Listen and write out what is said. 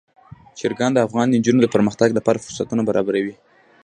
چرګان د افغان نجونو د پرمختګ لپاره فرصتونه برابروي.